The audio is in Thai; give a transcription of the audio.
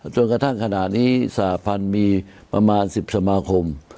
จนกระทั่งขณะนี้สาธารณีมีประมาณสิบสมาคม